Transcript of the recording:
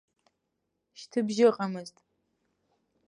Шьҭыбжь ыҟамызт.